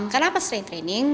kenapa strength training